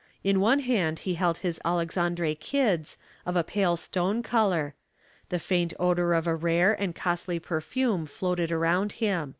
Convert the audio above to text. '' In one hand he held his Alexandre kids, of a pale stone color ; the faint odor of a rare and costly perfume floated around him.